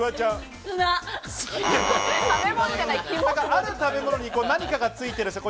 ある食べ物に何かがついてるんです。